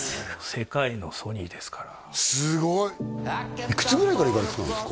世界のＳＯＮＹですからすごいいくつぐらいから行かれてたんですか？